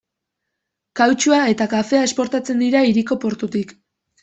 Kautxua eta kafea esportatzen dira hiriko portutik.